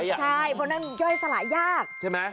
ใช่เพราะนั่นย่อยสลายยากใช่ไหม